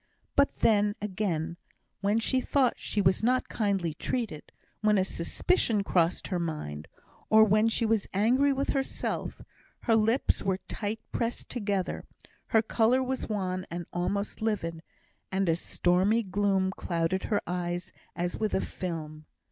But then, again, when she thought she was not kindly treated, when a suspicion crossed her mind, or when she was angry with herself, her lips were tight pressed together, her colour was wan and almost livid, and a stormy gloom clouded her eyes as with a film.